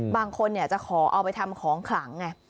บางคนจะขอเอาไปทำของขลังไง